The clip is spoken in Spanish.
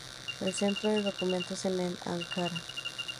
El Centro de Documentación es en Ankara.